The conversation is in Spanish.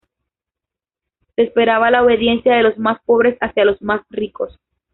Se esperaba la obediencia de los más pobres hacia los más ricos.